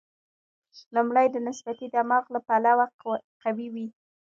لومړی د نسبتي دماغ له پلوه قوي وي.